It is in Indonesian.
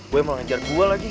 buah mau ngejar gua lagi